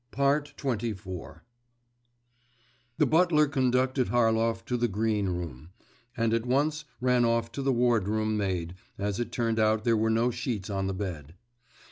XXIV The butler conducted Harlov to the green room, and at once ran off for the wardroom maid, as it turned out there were no sheets on the bed.